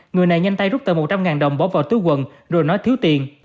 người này nhanh tay rút tờ một trăm linh đồng bỏ vào túi quần rồi nói thiếu tiền